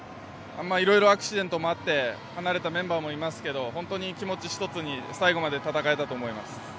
色々アクシデントもあって離れたメンバーもいますけど本当に気持ち１つに最後まで戦えたと思います。